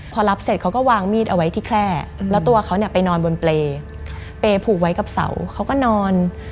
พอรับเสร็จเขาก็วางมีดเอาไว้ที่แคล่แล้วตัวเขาเนี่ยไปนอนบนเปรย์เปรย์ผูกไว้กับเสาเขาก็นอน